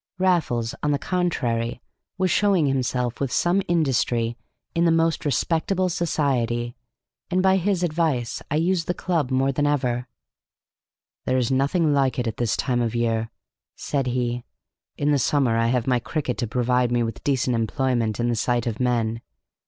Raffles, on the contrary, was showing himself with some industry in the most respectable society, and by his advice I used the club more than ever. "There is nothing like it at this time of year," said he. "In the summer I have my cricket to provide me with decent employment in the sight of men.